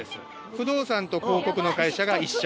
不動産と広告の会社が１社。